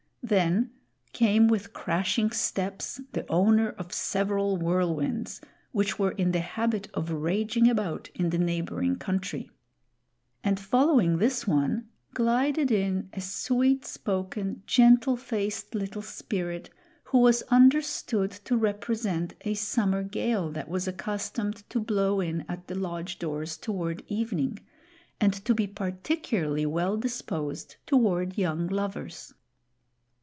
Then came with crashing steps the owner of several whirlwinds, which were in the habit of raging about in the neighboring country. And following this one glided in a sweet spoken, gentle faced little Spirit, who was understood to represent a summer gale that was accustomed to blow in at the lodge doors, toward evening, and to be particularly well disposed toward young lovers.